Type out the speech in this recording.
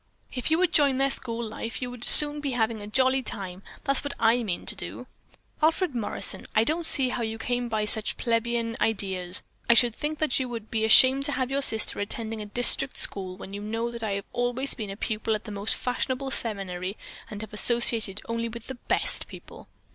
If you would join their school life, you would soon be having a jolly time. That's what I mean to do." "Alfred Morrison, I don't see how you came by such plebian ideas. I should think that you would be ashamed to have your sister attending a district school when you know that I have always been a pupil at a most fashionable seminary and have associated only with the best people."